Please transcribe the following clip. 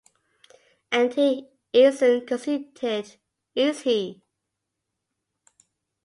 And he isn't conceited, is he?